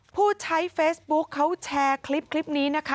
ผู้ใช้เฟซบุ๊คเขาแชร์คลิปนี้นะคะ